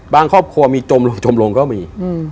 บางครอบครัวมีจมลงก็มี